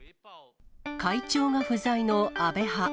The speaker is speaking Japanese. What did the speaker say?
会長が不在の安倍派。